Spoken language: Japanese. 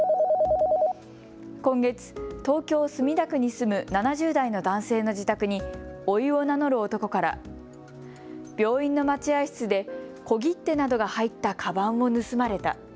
今月、東京墨田区に住む７０代の男性の自宅に、おいを名乗る男から病院の待合室で小切手などが入ったかばんを盗まれた。